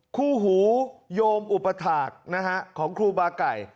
คู่หูโยมอุปถาคนะฮะของครูบาไก่